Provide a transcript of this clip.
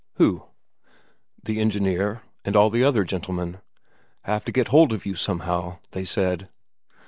"Who?" "The engineer, and all the other gentlemen. 'Have to get hold of you somehow,' they said."